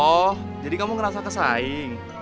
oh jadi kamu ngerasa kesaing